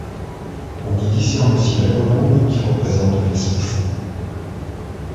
On y discerne aussi la colombe qui représente l'Esprit Saint.